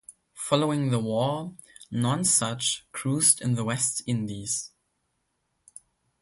Following the war, "Nonsuch" cruised in the West Indies.